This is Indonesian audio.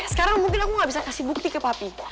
sekarang mungkin aku gak bisa kasih bukti ke pati